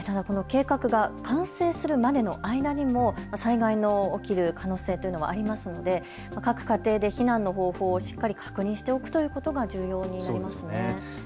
計画が完成するまでの間にも災害が起きる可能性もありますから各家庭で避難の方法を確認しておくことが重要になりますね。